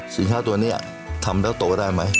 สินค้าตัวนี้ทำแล้วโตได้ไหม